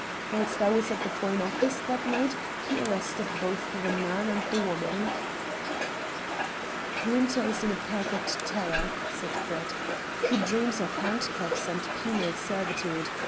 Whilst I was at the Foreign Office that night he arrested both the man and the woman." "Winter is a perfect terror," said Brett. "He dreams of handcuffs and penal servitude.